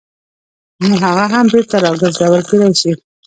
نو هغه هم بېرته راګرځول کېدای شي.